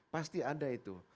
pasti ada itu